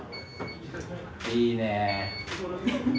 いいね。